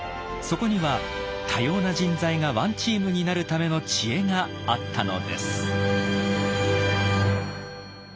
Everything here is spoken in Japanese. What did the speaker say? そこには多様な人材がワンチームになるための知恵があったのです。